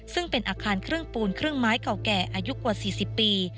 ซึ่งเป็นอาคารเครื่องปูนครึ่งไม้เก่าแก่อายุกว่า๔๐ปี